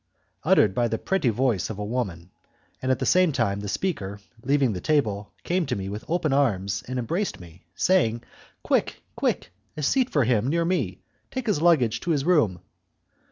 uttered by the pretty voice of a woman, and at the same moment, the speaker, leaving the table, came to me with open arms and embraced me, saying, "Quick, quick, a seat for him near me; take his luggage to his room."